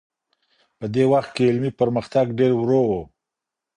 په دې وخت کي علمي پرمختګ ډېر ورو و.